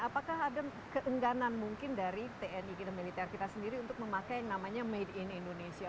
apakah ada keengganan mungkin dari tni dan militer kita sendiri untuk memakai yang namanya made in indonesia